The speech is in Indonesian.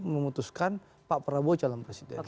memutuskan pak prabowo calon presiden